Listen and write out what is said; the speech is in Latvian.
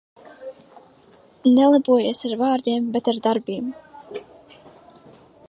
Nelepojies ar vārdiem, bet ar darbiem.